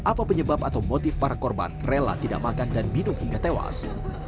apa penyebab atau motif para korban rela tidak makan dan minum hingga tewas